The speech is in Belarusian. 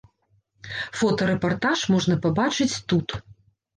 Фотарэпартаж можна пабачыць тут.